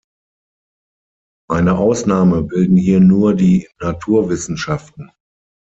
Eine Ausnahme bilden hier nur die Naturwissenschaften.